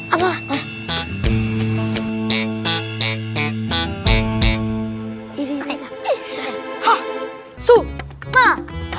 apaan lu belum pelaris